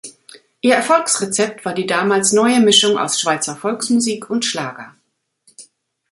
Ihr Erfolgsrezept war die damals neue Mischung aus Schweizer Volksmusik und Schlager.